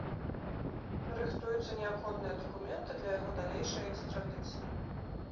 Рыхтуюцца неабходныя дакументы для яго далейшай экстрадыцыі.